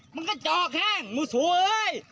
มึงก็จอกแห้งมึงสวย